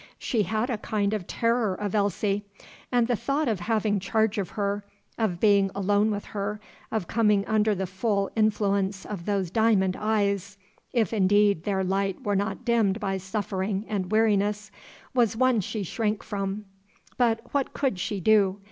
She had a kind of terror of Elsie; and the thought of having charge of her, of being alone with her, of coming under the full influence of those diamond eyes, if, indeed, their light were not dimmed by suffering and weariness, was one she shrank from. But what could she do?